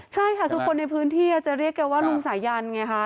ใช่ค่ะคุณในพื้นที่จะเรียกกับว่าลุงสายันไงครับ